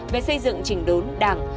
về xây dựng trình đốn đảng